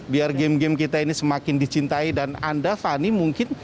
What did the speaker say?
biar game game kita ini semakin dicintai dan anda fani mungkin